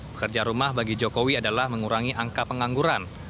pekerja rumah bagi jokowi adalah mengurangi angka pengangguran